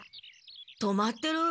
止まってる。